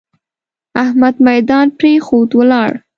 احمد ميدان پرېښود؛ ولاړ.